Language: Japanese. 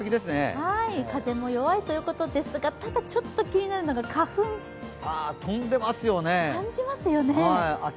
風も弱いということですが、ただちょっと気になるのが、飛んでますよね。